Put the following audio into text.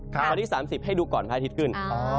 วันที่๓๐ให้ดูก่อนพระอาทิตย์ขึ้น